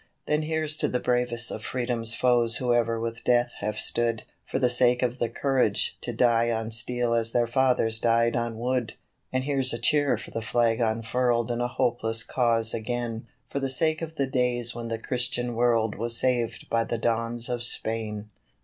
Then here's to the bravest of Freedom's foes who ever with death have stood For the sake of the courage to die on steel as their fathers died on wood; And here's a cheer for the flag unfurled in a hopeless cause again, For the sake of the days when the Christian world was saved by the Dons of Spain.